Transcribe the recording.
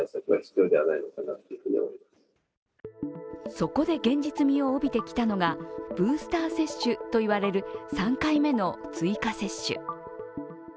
そこで現実味を帯びてきたのがブースター接種といわれる３回目の追加接種。